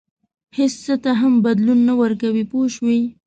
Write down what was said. هېڅ څه ته هم بدلون نه ورکوي پوه شوې!.